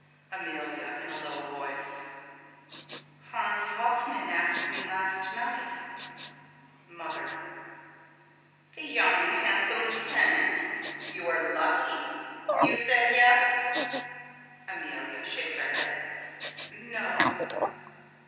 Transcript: Amelia: [In a low voice.] Hans Hoffman asked me last night. Mother: The young and handsome lieutenant? You are lucky. You said yes? Amelia: [Shakes her head.] No.